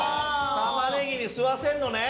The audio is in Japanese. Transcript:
玉ねぎに吸わせんのね！